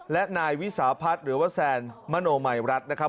และนายวิสาพัฒน์หรือว่าแซนมโนมัยรัฐนะครับ